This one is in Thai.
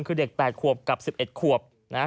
คือเด็ก๘ขวบกับ๑๑ขวบนะฮะ